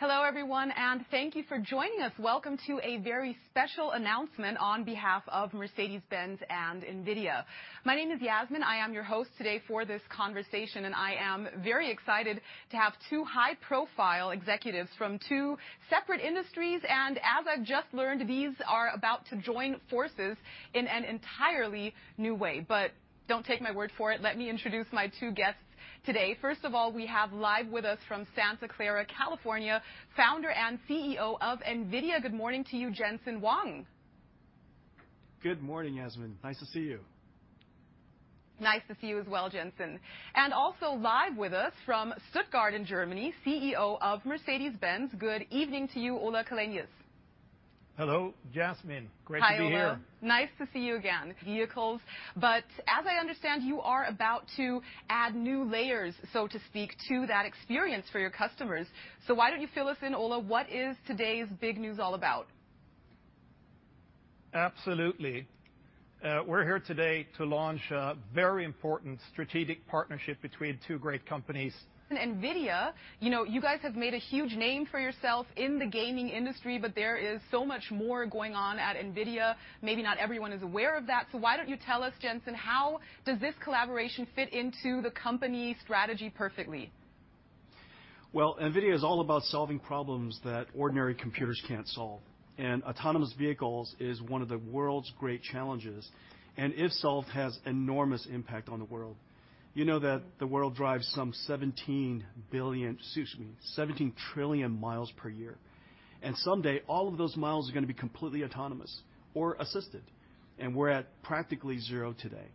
Hello, everyone, and thank you for joining us. Welcome to a very special announcement on behalf of Mercedes-Benz and NVIDIA. My name is Yasmin. I am your host today for this conversation. I am very excited to have two high-profile executives from two separate industries. As I've just learned, these are about to join forces in an entirely new way. Don't take my word for it. Let me introduce my two guests today. First of all, we have live with us from Santa Clara, California, Founder and CEO of NVIDIA. Good morning to you, Jensen Huang. Good morning, Yasmin. Nice to see you. Nice to see you as well, Jensen. Also live with us from Stuttgart in Germany, CEO of Mercedes-Benz, good evening to you, Ola Källenius. Hello, Yasmin. Great to be here. Hi, Ola. Nice to see you again. Vehicles, as I understand, you are about to add new layers, so to speak, to that experience for your customers. Why don't you fill us in, Ola, what is today's big news all about? Absolutely. We're here today to launch a very important strategic partnership between two great companies. NVIDIA, you guys have made a huge name for yourself in the gaming industry, but there is so much more going on at NVIDIA. Maybe not everyone is aware of that. Why don't you tell us, Jensen, how does this collaboration fit into the company strategy perfectly? Well, NVIDIA is all about solving problems that ordinary computers can't solve. Autonomous vehicles is one of the world's great challenges, and if solved, has enormous impact on the world. You know that the world drives some 17 trillion miles per year. Someday, all of those miles are going to be completely autonomous or assisted. We're at practically zero today.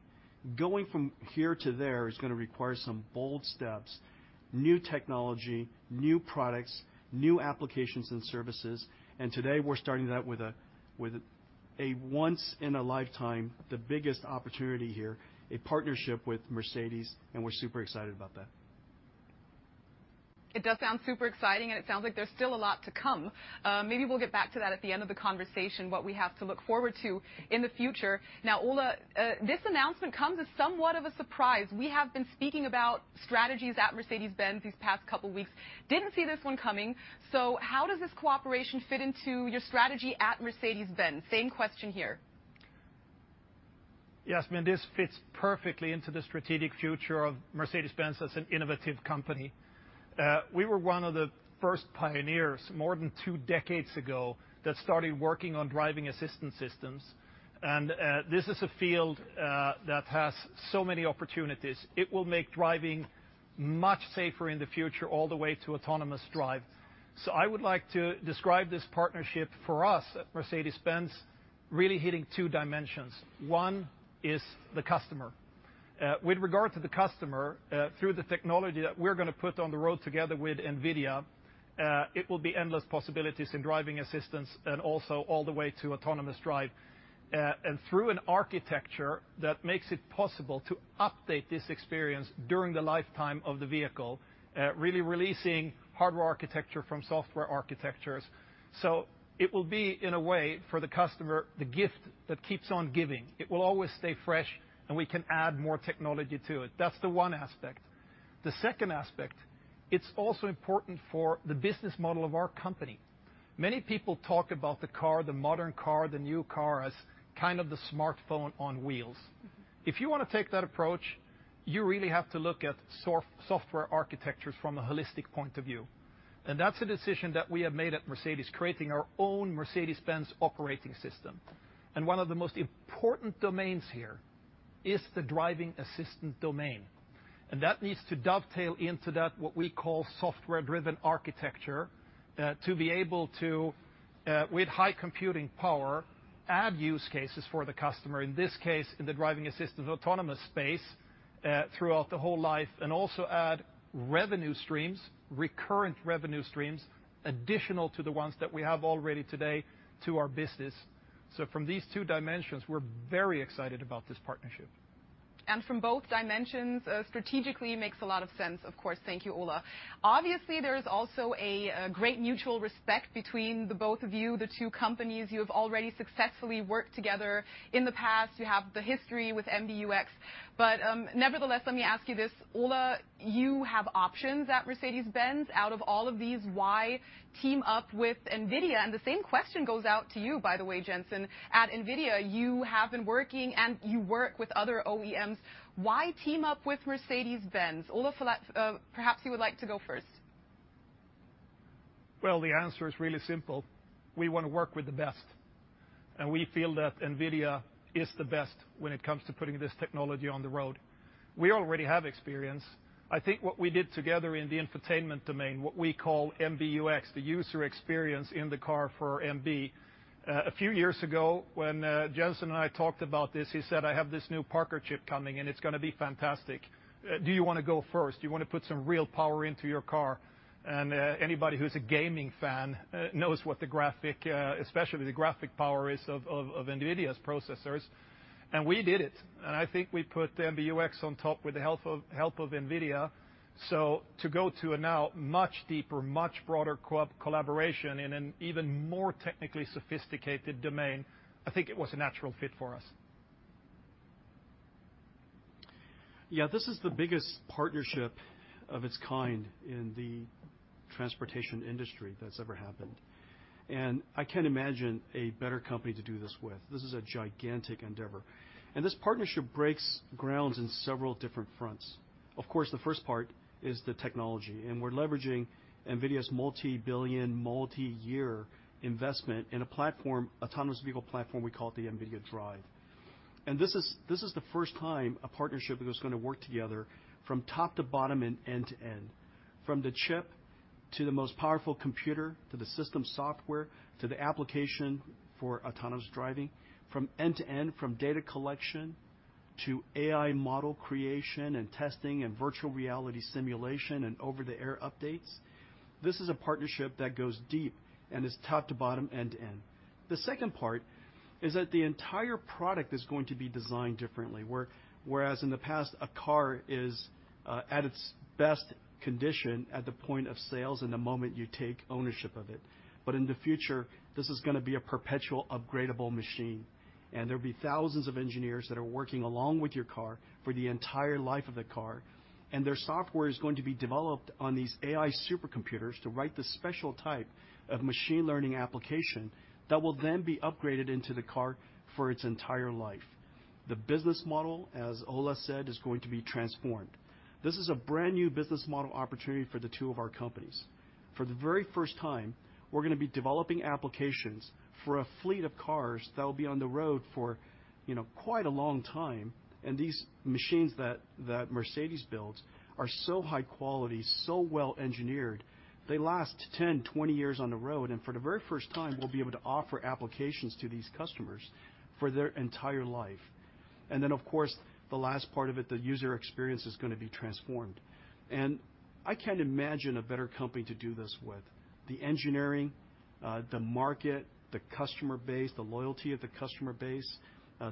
Going from here to there is going to require some bold steps, new technology, new products, new applications and services, and today, we're starting that with a once in a lifetime, the biggest opportunity here, a partnership with Mercedes, and we're super excited about that. It does sound super exciting, and it sounds like there's still a lot to come. Maybe we'll get back to that at the end of the conversation, what we have to look forward to in the future. Ola, this announcement comes as somewhat of a surprise. We have been speaking about strategies at Mercedes-Benz these past couple weeks. Didn't see this one coming. How does this cooperation fit into your strategy at Mercedes-Benz? Same question here. Yasmin, this fits perfectly into the strategic future of Mercedes-Benz as an innovative company. We were one of the first pioneers more than two decades ago that started working on driving assistance systems. This is a field that has so many opportunities. It will make driving much safer in the future all the way to autonomous drive. I would like to describe this partnership for us at Mercedes-Benz really hitting two dimensions. One is the customer. With regard to the customer, through the technology that we're going to put on the road together with NVIDIA, it will be endless possibilities in driving assistance and also all the way to autonomous drive. Through an architecture that makes it possible to update this experience during the lifetime of the vehicle, really releasing hardware architecture from software architectures. It will be, in a way, for the customer, the gift that keeps on giving. It will always stay fresh, and we can add more technology to it. That's the one aspect. The second aspect, it's also important for the business model of our company. Many people talk about the car, the modern car, the new car as kind of the smartphone on wheels. If you want to take that approach, you really have to look at software architectures from a holistic point of view. That's a decision that we have made at Mercedes, creating our own Mercedes-Benz operating system. One of the most important domains here is the driving assistant domain. That needs to dovetail into that, what we call software-driven architecture, to be able to, with high computing power, add use cases for the customer, in this case, in the driving assistant autonomous space throughout the whole life, and also add revenue streams, recurrent revenue streams, additional to the ones that we have already today to our business. From these two dimensions, we're very excited about this partnership. From both dimensions, strategically makes a lot of sense. Of course. Thank you, Ola. Obviously, there is also a great mutual respect between the both of you, the two companies. You have already successfully worked together in the past. You have the history with MBUX. Nevertheless, let me ask you this. Ola, you have options at Mercedes-Benz. Out of all of these, why team up with NVIDIA? The same question goes out to you, by the way, Jensen. At NVIDIA, you have been working, and you work with other OEMs. Why team up with Mercedes-Benz? Ola, perhaps you would like to go first. Well, the answer is really simple. We want to work with the best, and we feel that NVIDIA is the best when it comes to putting this technology on the road. We already have experience. I think what we did together in the infotainment domain, what we call MBUX, the user experience in the car for MB. A few years ago, when Jensen and I talked about this, he said, "I have this new partnership coming, and it's going to be fantastic. Do you want to go first? Do you want to put some real power into your car?" Anybody who's a gaming fan knows what the graphic, especially the graphic power is of NVIDIA's processors. We did it. I think we put MBUX on top with the help of NVIDIA. To go to a now much deeper, much broader collaboration in an even more technically sophisticated domain, I think it was a natural fit for us. Yeah, this is the biggest partnership of its kind in the transportation industry that's ever happened. I can't imagine a better company to do this with. This is a gigantic endeavor. This partnership breaks grounds in several different fronts. Of course, the first part is the technology, and we're leveraging NVIDIA's multi-billion, multi-year investment in a platform, autonomous vehicle platform, we call it the NVIDIA DRIVE. This is the first time a partnership is going to work together from top to bottom and end to end. From the chip to the most powerful computer, to the system software, to the application for autonomous driving. From end to end, from data collection to AI model creation and testing and virtual reality simulation and over-the-air updates. This is a partnership that goes deep and is top to bottom, end-to-end. The second part is that the entire product is going to be designed differently, whereas in the past, a car is at its best condition at the point of sales and the moment you take ownership of it. In the future, this is going to be a perpetual upgradeable machine, and there'll be thousands of engineers that are working along with your car for the entire life of the car. Their software is going to be developed on these AI supercomputers to write the special type of machine learning application that will then be upgraded into the car for its entire life. The business model, as Ola said, is going to be transformed. This is a brand-new business model opportunity for the two of our companies. For the very first time, we're going to be developing applications for a fleet of cars that will be on the road for quite a long time. These machines that Mercedes builds are so high quality, so well-engineered, they last 10, 20 years on the road. For the very first time, we'll be able to offer applications to these customers for their entire life. Then, of course, the last part of it, the user experience, is going to be transformed. I can't imagine a better company to do this with. The engineering, the market, the customer base, the loyalty of the customer base,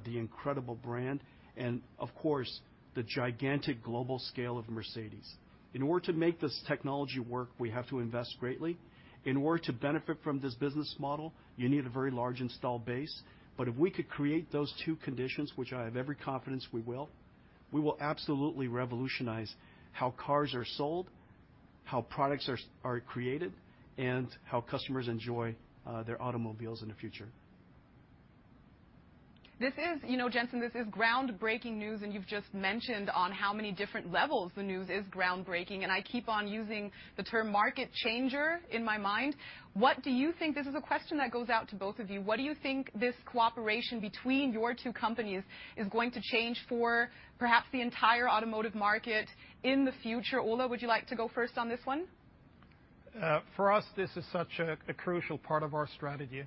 the incredible brand, and of course, the gigantic global scale of Mercedes. In order to make this technology work, we have to invest greatly. In order to benefit from this business model, you need a very large installed base. If we could create those two conditions, which I have every confidence we will, we will absolutely revolutionize how cars are sold, how products are created, and how customers enjoy their automobiles in the future. Jensen, this is groundbreaking news, and you've just mentioned on how many different levels the news is groundbreaking, and I keep on using the term market changer in my mind. This is a question that goes out to both of you. What do you think this cooperation between your two companies is going to change for, perhaps, the entire automotive market in the future? Ola, would you like to go first on this one? For us, this is such a crucial part of our strategy.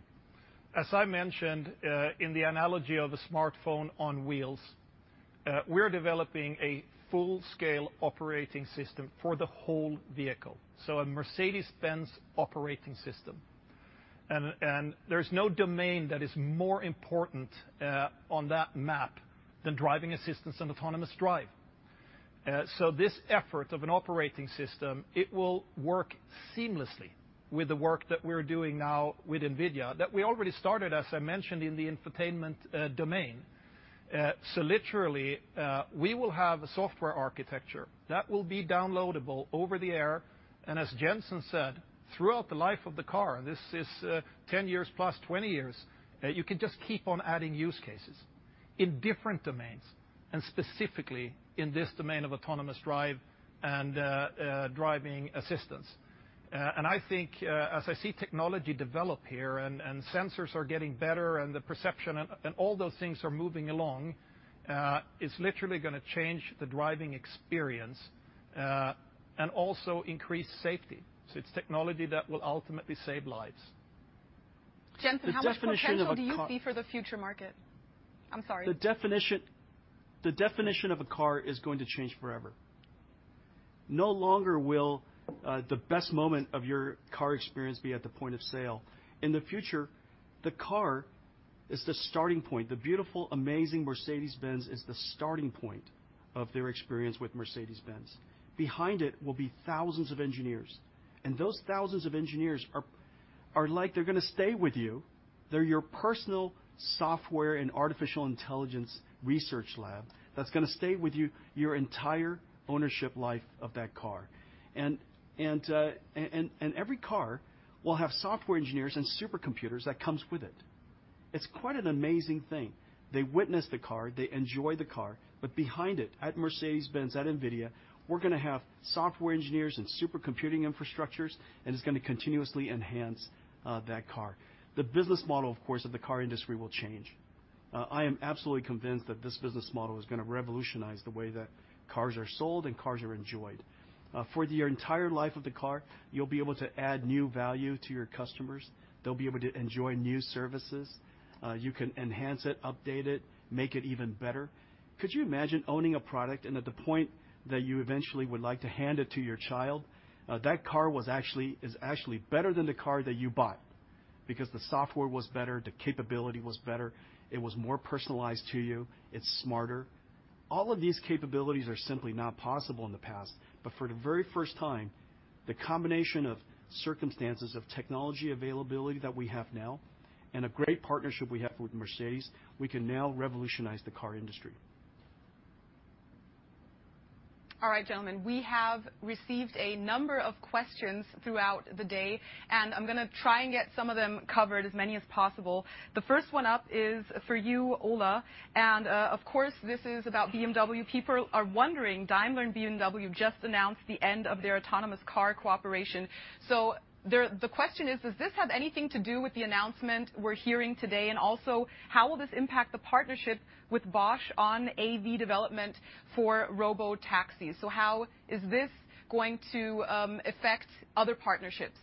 As I mentioned, in the analogy of a smartphone on wheels, we're developing a full-scale operating system for the whole vehicle. A Mercedes-Benz operating system. There's no domain that is more important on that map than driving assistance and autonomous drive. This effort of an operating system, it will work seamlessly with the work that we're doing now with NVIDIA, that we already started, as I mentioned, in the infotainment domain. Literally, we will have a software architecture that will be downloadable over-the-air, and as Jensen said, throughout the life of the car, this is 10 years+, 20 years, you can just keep on adding use cases in different domains, and specifically in this domain of autonomous drive and driving assistance. I think, as I see technology develop here and sensors are getting better and the perception and all those things are moving along, it's literally going to change the driving experience, and also increase safety. It's technology that will ultimately save lives. Jensen, how much potential- The definition of a car. Do you see for the future market? I'm sorry. The definition of a car is going to change forever. No longer will the best moment of your car experience be at the point of sale. In the future, the car is the starting point. The beautiful, amazing Mercedes-Benz is the starting point of their experience with Mercedes-Benz. Behind it will be thousands of engineers. Those thousands of engineers are like they're going to stay with you. They're your personal software and artificial intelligence research lab that's going to stay with you your entire ownership life of that car. Every car will have software engineers and supercomputers that comes with it. It's quite an amazing thing. They witness the car, they enjoy the car, but behind it, at Mercedes-Benz, at NVIDIA, we're going to have software engineers and supercomputing infrastructures, and it's going to continuously enhance that car. The business model, of course, of the car industry will change. I am absolutely convinced that this business model is going to revolutionize the way that cars are sold and cars are enjoyed. For the entire life of the car, you'll be able to add new value to your customers. They'll be able to enjoy new services. You can enhance it, update it, make it even better. Could you imagine owning a product, and at the point that you eventually would like to hand it to your child, that car is actually better than the car that you bought because the software was better, the capability was better, it was more personalized to you, it's smarter. All of these capabilities are simply not possible in the past. For the very first time, the combination of circumstances of technology availability that we have now and a great partnership we have with Mercedes, we can now revolutionize the car industry. All right, gentlemen, we have received a number of questions throughout the day. I'm going to try and get some of them covered, as many as possible. The first one up is for you, Ola. Of course, this is about BMW. People are wondering, Daimler and BMW just announced the end of their autonomous car cooperation. The question is: Does this have anything to do with the announcement we're hearing today? Also, how will this impact the partnership with Bosch on AV development for robotaxis? How is this going to affect other partnerships?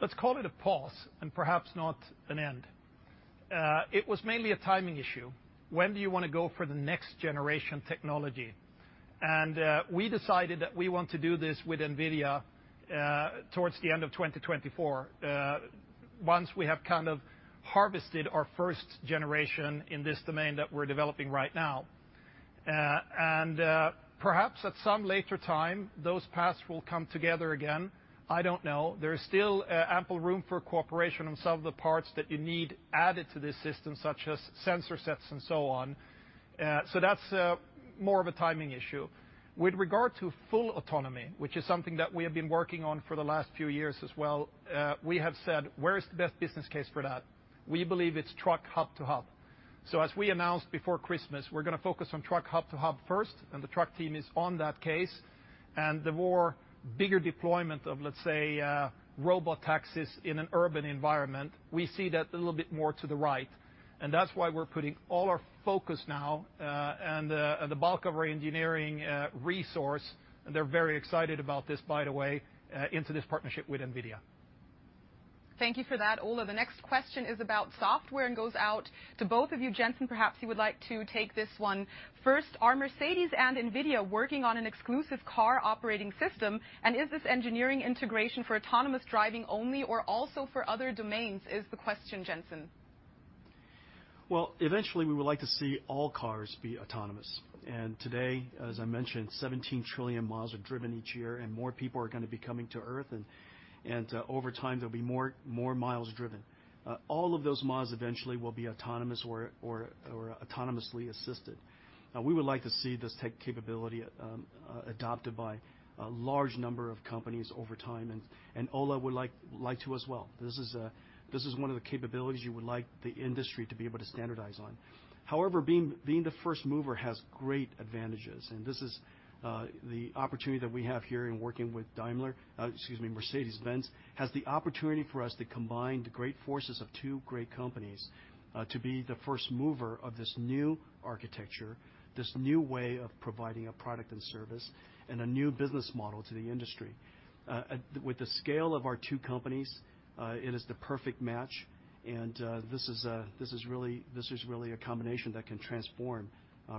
Let's call it a pause and perhaps not an end. It was mainly a timing issue. When do you want to go for the next-generation technology? We decided that we want to do this with NVIDIA towards the end of 2024, once we have harvested our first generation in this domain that we're developing right now. Perhaps at some later time, those paths will come together again. I don't know. There is still ample room for cooperation on some of the parts that you need added to this system, such as sensor sets and so on. That's more of a timing issue. With regard to full autonomy, which is something that we have been working on for the last few years as well, we have said, "Where is the best business case for that?" We believe it's truck hub-to-hub. As we announced before Christmas, we're going to focus on truck hub-to-hub first, and the truck team is on that case. The more bigger deployment of, let's say, robotaxis in an urban environment, we see that a little bit more to the right. That's why we're putting all our focus now and the bulk of our engineering resource, and they're very excited about this, by the way, into this partnership with NVIDIA. Thank you for that, Ola. The next question is about software and goes out to both of you. Jensen, perhaps you would like to take this one first. Are Mercedes and NVIDIA working on an exclusive car operating system, and is this engineering integration for autonomous driving only or also for other domains, is the question, Jensen. Well, eventually, we would like to see all cars be autonomous. Today, as I mentioned, 17 trillion mi are driven each year, and more people are going to be coming to Earth, and over time, there'll be more miles driven. All of those miles eventually will be autonomous or autonomously assisted. We would like to see this tech capability adopted by a large number of companies over time, and Ola would like to as well. This is one of the capabilities you would like the industry to be able to standardize on. Being the first mover has great advantages, and this is the opportunity that we have here in working with Mercedes-Benz, has the opportunity for us to combine the great forces of two great companies to be the first mover of this new architecture, this new way of providing a product and service, and a new business model to the industry. With the scale of our two companies, it is the perfect match, and this is really a combination that can transform,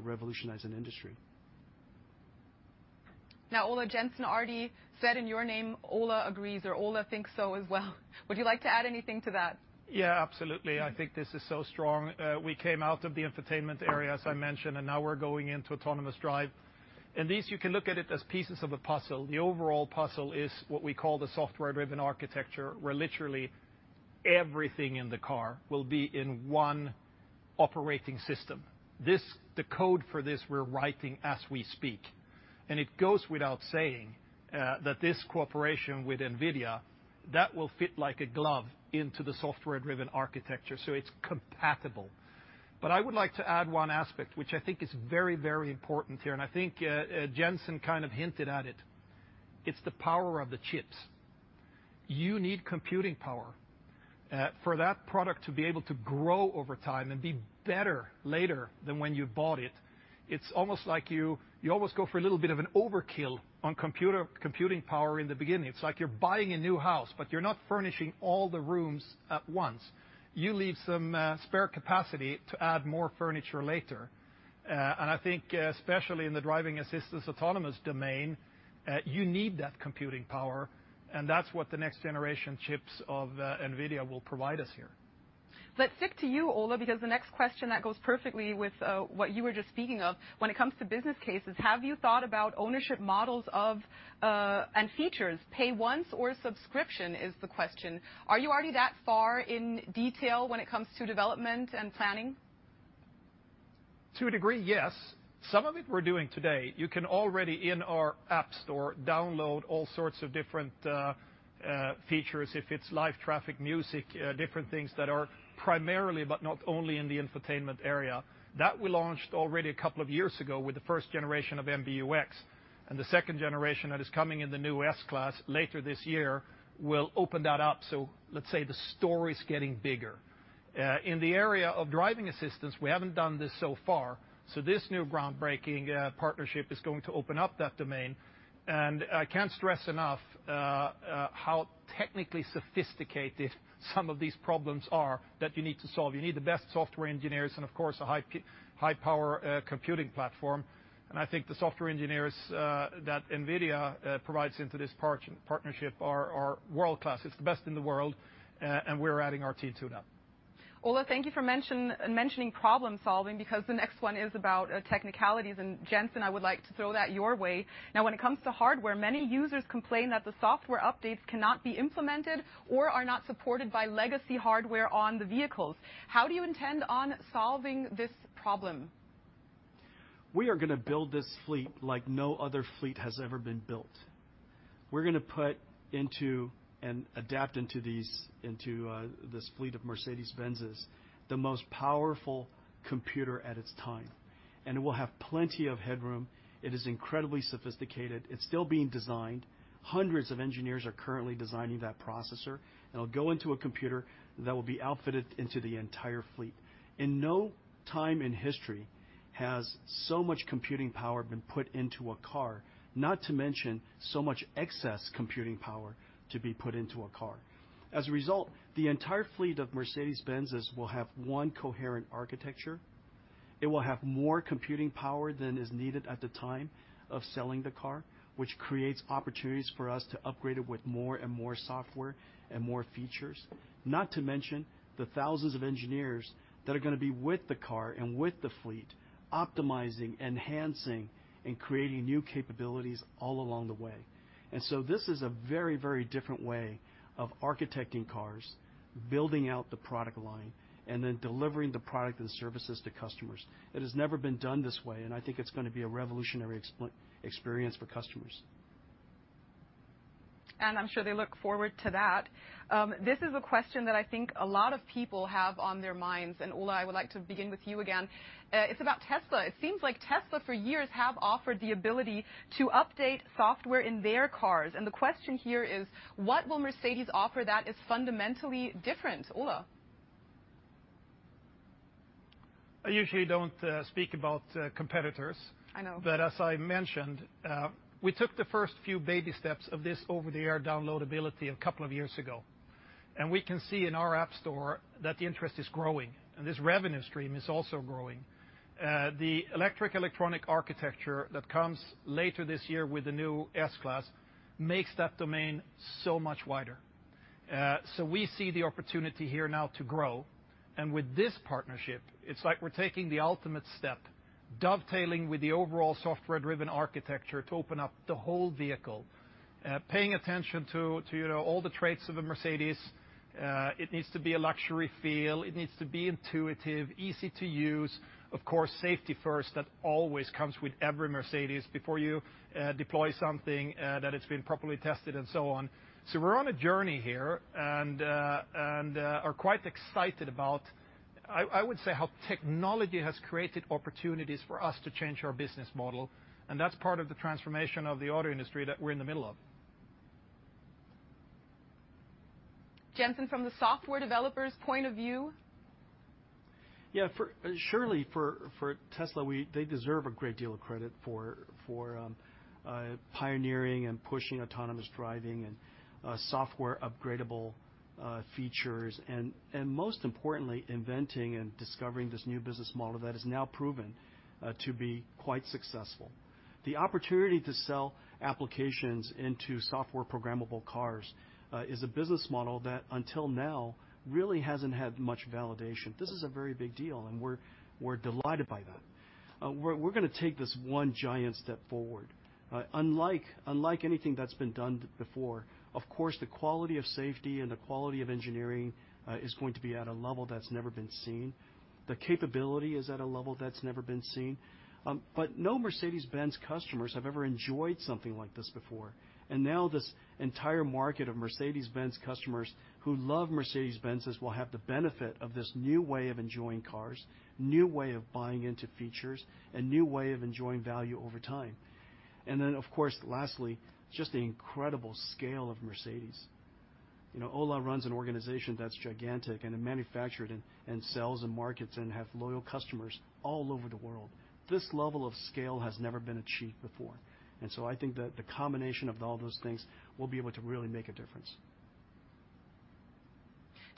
revolutionize an industry. Now, Ola, Jensen already said in your name, Ola agrees, or Ola thinks so as well. Would you like to add anything to that? Yeah, absolutely. I think this is so strong. We came out of the infotainment area, as I mentioned, and now we're going into autonomous drive. These, you can look at it as pieces of a puzzle. The overall puzzle is what we call the software-driven architecture, where literally everything in the car will be in one operating system. The code for this we're writing as we speak. It goes without saying that this cooperation with NVIDIA, that will fit like a glove into the software-driven architecture. It's compatible. I would like to add one aspect, which I think is very, very important here, and I think Jensen kind of hinted at it. It's the power of the chips. You need computing power for that product to be able to grow over time and be better later than when you bought it. It's almost like you almost go for a little bit of an overkill on computing power in the beginning. It's like you're buying a new house, but you're not furnishing all the rooms at once. You leave some spare capacity to add more furniture later. I think especially in the driving assistance autonomous domain, you need that computing power, and that's what the next-generation chips of NVIDIA will provide us here. Let's stick to you, Ola, because the next question that goes perfectly with what you were just speaking of. When it comes to business cases, have you thought about ownership models of, and features, pay once or subscription, is the question. Are you already that far in detail when it comes to development and planning? To a degree, yes. Some of it we're doing today. You can already, in our app store, download all sorts of different features. If it's live traffic, music, different things that are primarily, but not only in the infotainment area. That we launched already a couple of years ago with the first generation of MBUX. The second generation that is coming in the new S-Class later this year will open that up. Let's say the store is getting bigger. In the area of driving assistance, we haven't done this so far. This new groundbreaking partnership is going to open up that domain. I can't stress enough how technically sophisticated some of these problems are that you need to solve. You need the best software engineers and, of course, a high-power computing platform. I think the software engineers that NVIDIA provides into this partnership are world-class. It's the best in the world, and we're adding our AI to that. Ola, thank you for mentioning problem-solving, because the next one is about technicalities, and Jensen, I would like to throw that your way. When it comes to hardware, many users complain that the software updates cannot be implemented or are not supported by legacy hardware on the vehicles. How do you intend on solving this problem? We are going to build this fleet like no other fleet has ever been built. We're going to put into and adapt into this fleet of Mercedes-Benzes, the most powerful computer at its time. It will have plenty of headroom. It is incredibly sophisticated. It's still being designed. Hundreds of engineers are currently designing that processor, and it'll go into a computer that will be outfitted into the entire fleet. In no time in history has so much computing power been put into a car, not to mention so much excess computing power to be put into a car. As a result, the entire fleet of Mercedes-Benzes will have one coherent architecture. It will have more computing power than is needed at the time of selling the car, which creates opportunities for us to upgrade it with more and more software and more features, not to mention the thousands of engineers that are going to be with the car and with the fleet, optimizing, enhancing, and creating new capabilities all along the way. This is a very, very different way of architecting cars, building out the product line, and then delivering the product and services to customers. It has never been done this way, and I think it's going to be a revolutionary experience for customers. I'm sure they look forward to that. This is a question that I think a lot of people have on their minds, and Ola, I would like to begin with you again. It's about Tesla. It seems like Tesla, for years, have offered the ability to update software in their cars. The question here is, what will Mercedes offer that is fundamentally different? Ola? I usually don't speak about competitors. I know. As I mentioned, we took the first few baby steps of this over-the-air download ability a couple of years ago. We can see in our app store that the interest is growing, and this revenue stream is also growing. The electric electronic architecture that comes later this year with the new S-Class makes that domain so much wider. We see the opportunity here now to grow. With this partnership, it's like we're taking the ultimate step, dovetailing with the overall software-driven architecture to open up the whole vehicle. Paying attention to all the traits of a Mercedes. It needs to be a luxury feel. It needs to be intuitive, easy to use. Of course, safety first, that always comes with every Mercedes before you deploy something, that it's been properly tested and so on. We're on a journey here and are quite excited about, I would say, how technology has created opportunities for us to change our business model. That's part of the transformation of the auto industry that we're in the middle of. Jensen, from the software developer's point of view? Yeah, surely for Tesla, they deserve a great deal of credit for pioneering and pushing autonomous driving and software-upgradable features and, most importantly, inventing and discovering this new business model that is now proven to be quite successful. The opportunity to sell applications into software-programmable cars is a business model that, until now, really hasn't had much validation. This is a very big deal, and we're delighted by that. We're going to take this one giant step forward unlike anything that's been done before. Of course, the quality of safety and the quality of engineering is going to be at a level that's never been seen. The capability is at a level that's never been seen. No Mercedes-Benz customers have ever enjoyed something like this before. Now this entire market of Mercedes-Benz customers who love Mercedes-Benzes will have the benefit of this new way of enjoying cars, new way of buying into features, a new way of enjoying value over time. Of course, lastly, just the incredible scale of Mercedes. Ola runs an organization that's gigantic and it manufactured and sells and markets and have loyal customers all over the world. This level of scale has never been achieved before. I think that the combination of all those things will be able to really make a difference.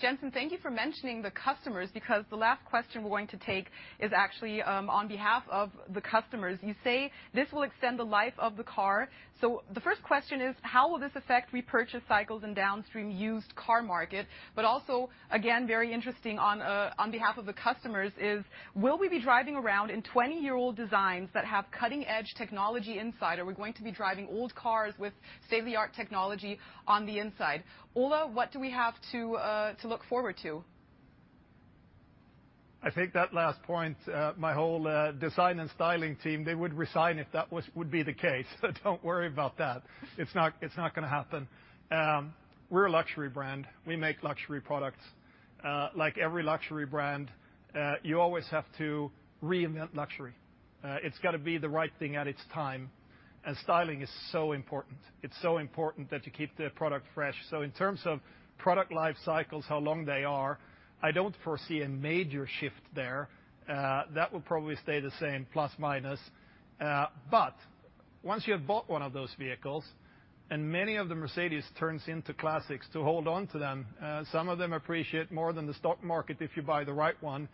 Jensen, thank you for mentioning the customers, because the last question we're going to take is actually on behalf of the customers. You say this will extend the life of the car. The first question is, how will this affect repurchase cycles and downstream used car market? Also, again, very interesting on behalf of the customers is, will we be driving around in 20-year-old designs that have cutting-edge technology inside? Are we going to be driving old cars with state-of-the-art technology on the inside? Ola, what do we have to look forward to? I think that last point, my whole design and styling team, they would resign if that would be the case. Don't worry about that. It's not going to happen. We're a luxury brand. We make luxury products. Like every luxury brand, you always have to reinvent luxury. It's got to be the right thing at its time, and styling is so important. It's so important that you keep the product fresh. In terms of product life cycles, how long they are, I don't foresee a major shift there. That will probably stay the same, plus/minus. Once you have bought one of those vehicles, and many of the Mercedes turns into classics, to hold on to them. Some of them appreciate more than the stock market if you buy the right one.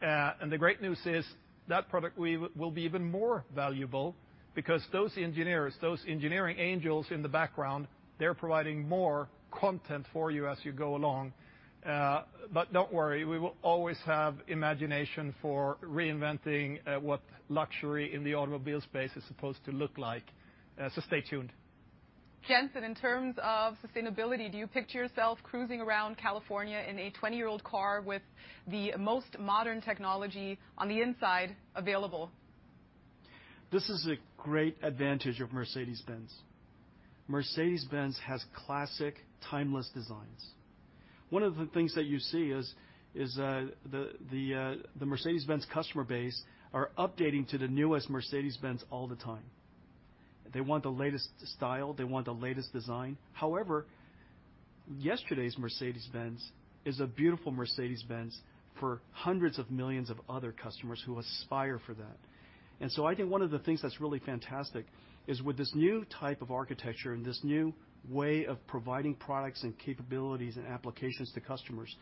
The great news is that product will be even more valuable because those engineers, those engineering angels in the background, they're providing more content for you as you go along. Don't worry, we will always have imagination for reinventing what luxury in the automobile space is supposed to look like. Stay tuned. Jensen, in terms of sustainability, do you picture yourself cruising around California in a 20-year-old car with the most modern technology on the inside available? This is a great advantage of Mercedes-Benz. Mercedes-Benz has classic timeless designs. One of the things that you see is the Mercedes-Benz customer base are updating to the newest Mercedes-Benz all the time. They want the latest style. They want the latest design. However, yesterday's Mercedes-Benz is a beautiful Mercedes-Benz for hundreds of millions of other customers who aspire for that. I think one of the things that's really fantastic is with this new type of architecture and this new way of providing products and capabilities and applications to customers,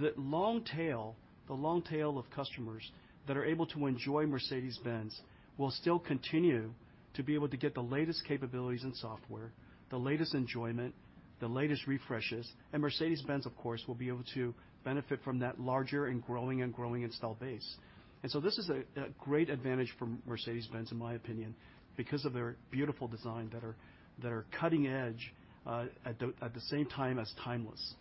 the long tail of customers that are able to enjoy Mercedes-Benz will still continue to be able to get the latest capabilities in software, the latest enjoyment, the latest refreshes. Mercedes-Benz, of course, will be able to benefit from that larger and growing installed base. This is a great advantage for Mercedes-Benz in my opinion, because of their beautiful design that are cutting-edge, at the same time as timeless.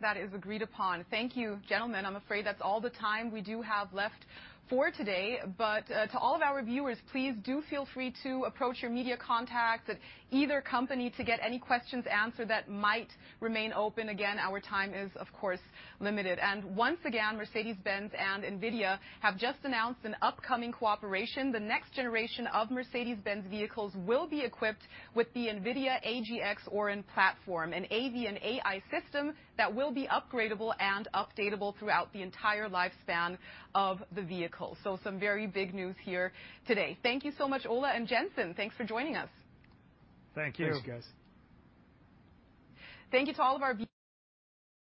That is agreed upon. Thank you, gentlemen. I'm afraid that's all the time we do have left for today. To all of our viewers, please do feel free to approach your media contacts at either company to get any questions answered that might remain open. Again, our time is, of course, limited. Once again, Mercedes-Benz and NVIDIA have just announced an upcoming cooperation. The next generation of Mercedes-Benz vehicles will be equipped with the NVIDIA AGX Orin platform, an AV and AI system that will be upgradable and updatable throughout the entire lifespan of the vehicle. Some very big news here today. Thank you so much, Ola and Jensen. Thanks for joining us. Thank you. Thanks, guys. Thank you to all of our.